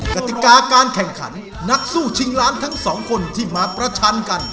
กติกาการแข่งขันนักสู้ชิงล้านทั้งสองคนที่มาประชันกัน